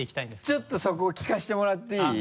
ちょっとそこ聴かせてもらっていい？